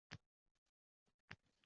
Birinchi navbatda o‘zingni yaxshi ko‘r.